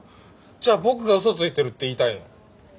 じゃあ僕がうそついてるって言いたいの？